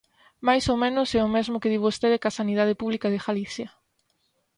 Máis ou menos é o mesmo que di vostede coa sanidade pública de Galicia.